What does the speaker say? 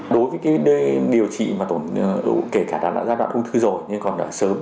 đối với điều trị mà tổn thương kể cả là giai đoạn ung thư rồi nhưng còn sớm